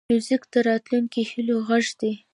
موزیک د راتلونکو هیلو غږ دی.